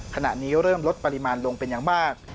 ขณะนี้เริ่มลดปริมาณลงเป็นอย่างมาก